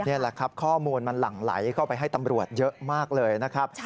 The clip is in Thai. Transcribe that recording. นี่แหละครับข้อมูลมันหลั่งไหลเข้าไปให้ตำรวจเยอะมากเลยนะครับ